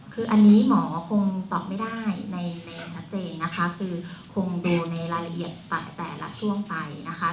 คืออันนี้หมอคงตอบไม่ได้ในชัดเจนนะคะคือคงดูในรายละเอียดแต่ละช่วงไปนะคะ